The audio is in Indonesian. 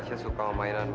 terus kamu sendiri mau apa